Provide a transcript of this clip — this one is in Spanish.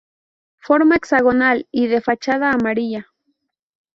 Forma hexagonal y de fachada amarilla.